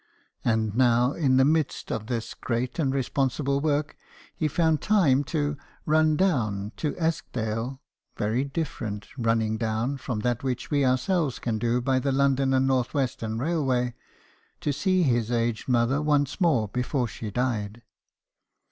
And now, in the midst of this great and responsible work, he found time to " run down " to Eskdale (very different " running down " from that which we ourselves can do by the London and North Western Railway), to see his aged mother once more before she died.